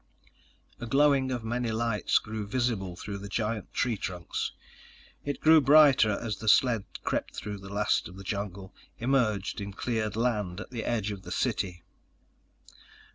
A glowing of many lights grew visible through the giant tree trunks. It grew brighter as the sled crept through the last of the jungle, emerged in cleared land at the edge of the city.